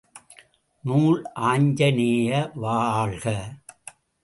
நூல் ஆஞ்சநேய வாஅழ்க!